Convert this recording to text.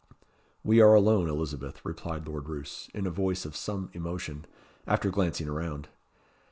"We are alone, Elizabeth," replied Lord Roos, in a voice of some emotion, after glancing around.